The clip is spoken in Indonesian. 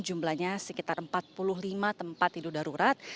jumlahnya sekitar empat puluh lima tempat tidur darurat